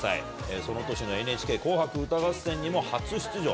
その年のＮＨＫ紅白歌合戦にも初出場。